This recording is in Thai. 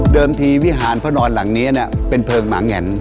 ทีวิหารพระนอนหลังนี้เป็นเพลิงหมาแง่น